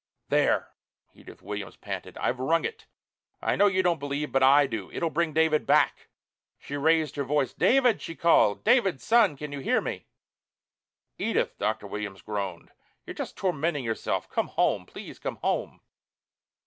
"There!" Edith Williams panted. "I've rung it. I know you don't believe, but I do. It'll bring David back." She raised her voice. "David!" she called. "David, son! Can you hear me?" "Edith," Dr. Williams groaned. "You're just tormenting yourself. Come home. Please come home."